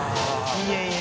いやいや。